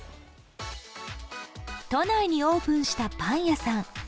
都内にオープンしたパン屋さん。